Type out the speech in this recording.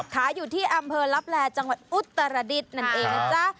ขายอยู่ที่อำเภอลับแลจังหวัดอุตรดิษฐ์นั่นเองนะจ๊ะ